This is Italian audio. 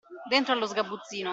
Dentro allo sgabuzzino